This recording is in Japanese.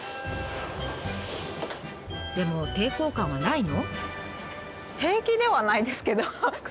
でも抵抗感はないの？